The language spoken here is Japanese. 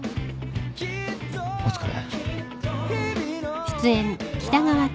お疲れ。